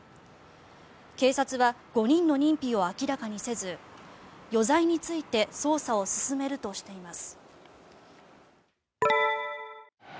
警察は５人の認否を明らかにせず余罪について捜査を進めるとしています。